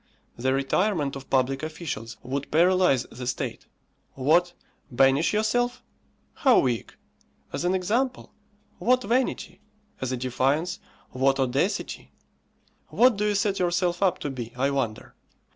The retirement of public officials would paralyse the state. What! banish yourself! how weak! As an example? what vanity! As a defiance? what audacity! What do you set yourself up to be, I wonder?